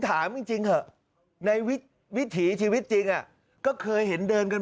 ถามจริงเถอะในวิถีชีวิตจริงก็เคยเห็นเดินกัน